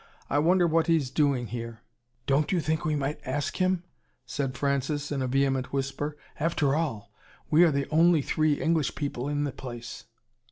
"I wonder what he's doing here." "Don't you think we might ASK him?" said Francis, in a vehement whisper. "After all, we are the only three English people in the place."